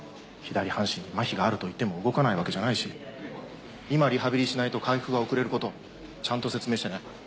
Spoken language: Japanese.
左半身にマヒがあるといっても動かないわけじゃないし今リハビリしないと回復が遅れることちゃんと説明してね。